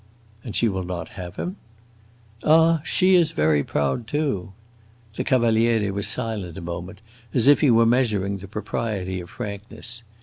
"And she will not have him?" "Ah, she is very proud, too!" The Cavaliere was silent a moment, as if he were measuring the propriety of frankness.